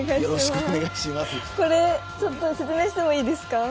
これちょっと説明してもいいですか。